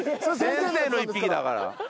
先生の１匹だから。